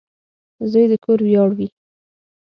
• زوی د کور ویاړ وي.